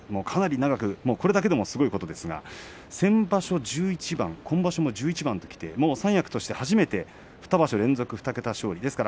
かなり長く、これだけでもすごいことですが先場所も１１番、今場所も１１番三役として初めて２場所連続２桁勝利。